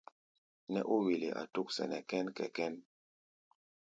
Nɛ́ ó wele a tók sɛnɛ kɛ́n-kɛ-kɛ́n.